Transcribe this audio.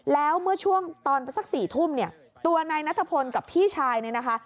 แล้วเมื่อช่วงตอนสัก๔ทุ่มเนี่ยตัวนายนัทพลกับพี่ชายเนี่ยนะคะ